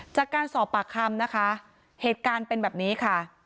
จากการสอบปากคำนะคะเหตุการณ์เป็นแบบนี้ค่ะ